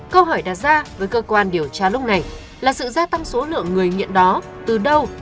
câu hỏi đặt ra với cơ quan điều tra lúc này là sự gia tăng số lượng người nghiện đó từ đâu